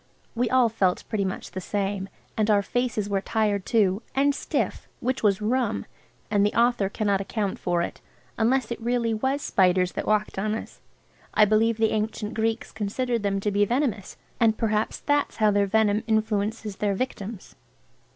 We all felt pretty much the same. And our faces were tired too, and stiff, which was rum, and the author cannot account for it, unless it really was spiders that walked on us. I believe the ancient Greeks considered them to be venomous, and perhaps that's how their venom influences their victims.